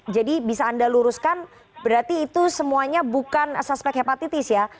jadi bisa anda luruskan berarti itu semuanya bukan asaspek hepatitis ya